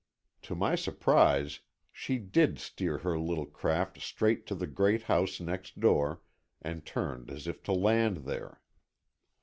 To my surprise she did steer her little craft straight to the great house next door, and turned as if to land there.